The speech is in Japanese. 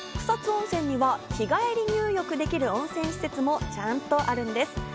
草津温泉には日帰り入浴できる温泉施設もちゃんとあるんです。